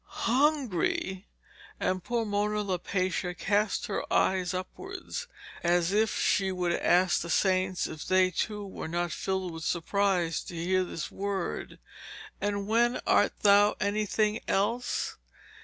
'Hungry!' and poor Mona Lapaccia cast her eyes upwards, as if she would ask the saints if they too were not filled with surprise to hear this word. 'And when art thou anything else?